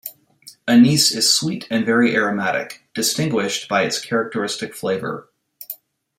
Anise is sweet and very aromatic, distinguished by its characteristic flavor.